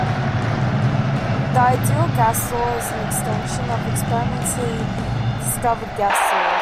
The ideal gas law is an extension of experimentally discovered gas laws.